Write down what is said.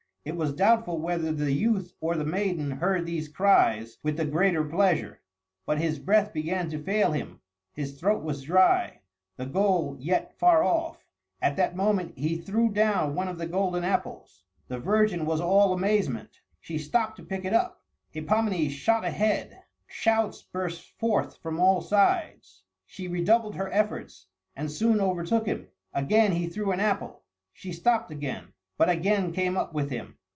It was doubtful whether the youth or the maiden heard these cries with the greater pleasure. But his breath began to fail him, his throat was dry, the goal yet far off. At that moment he threw down one of the golden apples. The virgin was all amazement. She stopped to pick it up. Hippomenes shot ahead. Shouts burst forth from all sides. She redoubled her efforts, and soon overtook him. Again he threw an apple. She stopped again, but again came up with him.